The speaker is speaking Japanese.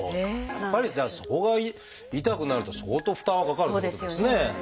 やっぱりじゃあそこが痛くなると相当負担はかかるっていうことですね。